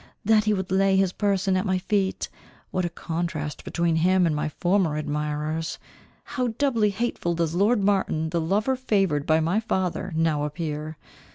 That he would lay his person at my feet! What a contrast between him and my former admirers! How doubly hateful does lord Martin, the lover favoured by my father now appear!